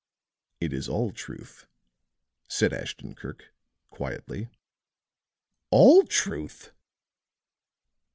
"It is all truth," said Ashton Kirk, quietly. "All truth!"